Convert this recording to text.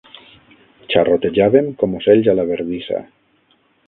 Xarrotejàvem com ocells a la verdissa.